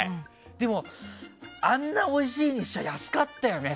でも、あんなおいしいにしちゃ安かったよね。